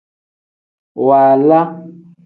Waala.